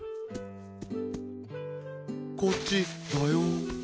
こっちだよ。